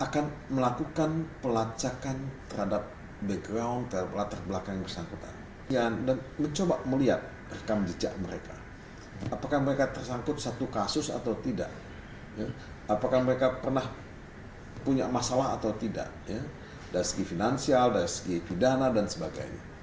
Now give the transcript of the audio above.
kepada presiden joko widodo yang nantinya akan memilih satu orang